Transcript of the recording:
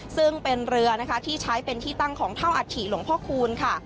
ซึ่งเป็นเรือนะคะที่ใช้เป็นที่ตั้งของเท่าอัฐิหลวงพ่อคูณค่ะ